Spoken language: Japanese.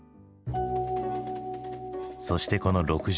そしてこの６８年。